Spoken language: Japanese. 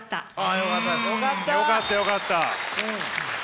よかったよかった。